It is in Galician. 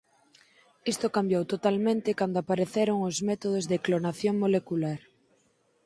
Isto cambiou totalmente cando apareceron os métodos de clonación molecular.